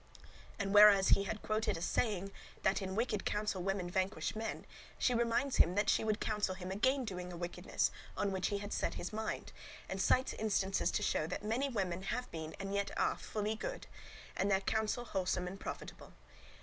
And whereas he had quoted a saying, that in wicked counsel women vanquish men, she reminds him that she would counsel him against doing a wickedness on which he had set his mind, and cites instances to show that many women have been and yet are full good, and their counsel wholesome and profitable.